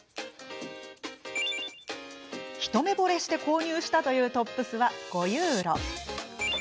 一目ぼれして購入したというトップスは５ユーロ。